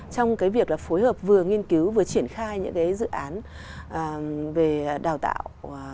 trong cái việc là phối hợp vừa nghiên cứu vừa triển khai những cái dự án về đào tạo